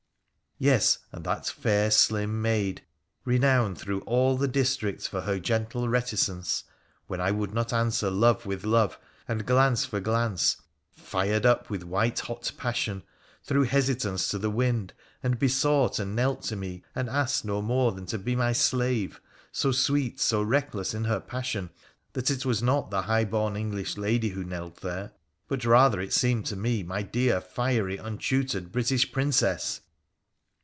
Yes, and that fair, slim maid, renowned through all the district for her gentle reticence, when I would not answer love with love, and glance for glance, fired up with white hot passion, threw hesitance to the wind, and besought and knelt to me, and asked no more than to be my slave, so sweet, so reckless in her passion, that it was not the high born English lady who knelt there, but rather it seemed to me my dear, fiery, untutored British Prin cess